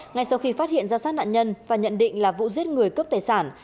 ngay sau khi phát hiện ra sát nạn nhân và nhận định là vụ giết người cướp tài sản